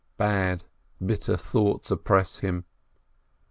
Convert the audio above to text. Bad, bitter thoughts oppress him.